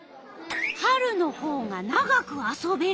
春のほうが長く遊べる。